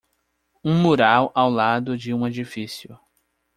Um mural ao lado de um edifício.